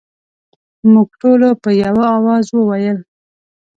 موږ ټولو په یوه اواز وویل.